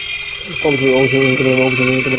অবশেষে আমরা পৌঁছেছি!